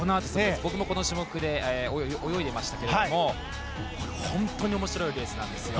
僕もこの種目で泳いでいましたけども本当に面白いレースなんですよ。